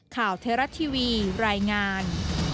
ข่าวเทราะทีวีรายงาน